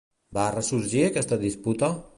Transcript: Va ressorgir aquesta disputa?